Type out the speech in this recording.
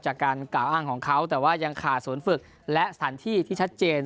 จากการกล่าวอ้างของเขาแต่ว่ายังขาดศูนย์ฝึกและสถานที่ที่ชัดเจน